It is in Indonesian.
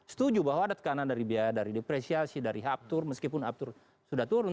setuju bahwa ada tekanan dari biaya dari depresiasi dari aptur meskipun aptur sudah turun